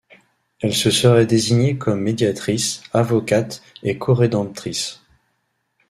Elle se serait désignée comme Médiatrice, Avocate et Co-rédemptrice.